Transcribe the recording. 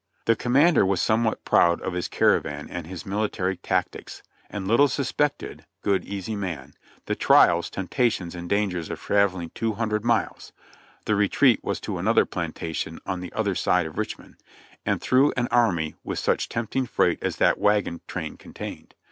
The commander was somewhat proud of his caravan and his military tactics, and little suspected — good, easy man — the trials, temptations and dangers of traveling two hundred miles (the re treat was to another plantation on the other side of Richmond) and through an army with such tempting freight as that wagon train contained.